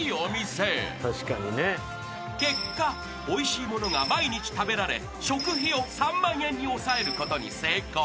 ［結果おいしいものが毎日食べられ食費を３万円に抑えることに成功］